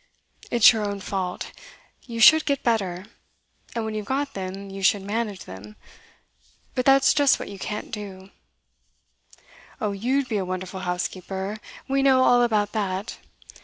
'It's your own fault. You should get better; and when you've got them, you should manage them. But that's just what you can't do.' 'Oh, you'd be a wonderful housekeeper, we know all about that.